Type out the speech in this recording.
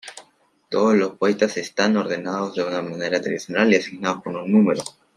Todos los poetas están ordenados de una manera tradicional y asignados con un número.